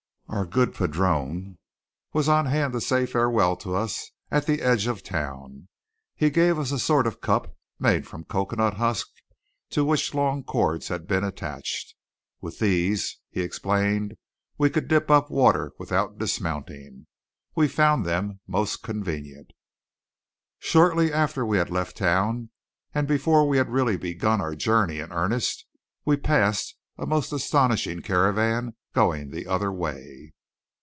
Our good padrone was on hand to say farewell to us at the edge of town. He gave us a sort of cup made from coconut husk to which long cords had been attached. With these, he explained, we could dip up water without dismounting. We found them most convenient. Shortly after we had left town, and before we had really begun our journey in earnest, we passed a most astonishing caravan going the other way.